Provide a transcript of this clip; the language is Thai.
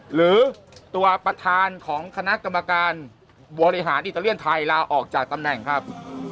หรือตัวประธานของคณะกรรมการบริหารอิตาเลียนไทยลาออกจากตำแหน่งครับ